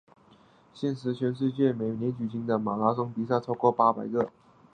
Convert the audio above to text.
现时全世界每年举行的马拉松比赛超过八百个。